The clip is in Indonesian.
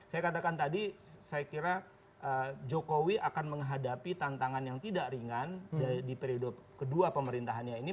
saya katakan tadi saya kira jokowi akan menghadapi tantangan yang tidak ringan di periode kedua pemerintahannya ini